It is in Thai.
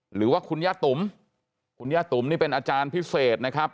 หรือว่าคุณย่าตุ๋มคุณย่าตุ๋มนี่เป็นอาจารย์พิเศษนะครับ